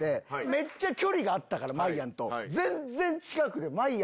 めっちゃ距離があったからまいやんと。